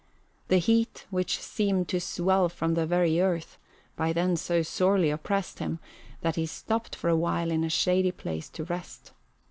The heat, which seemed to swell from the very earth, by then so sorely oppressed him that he stopped for a while in a shady place to rest.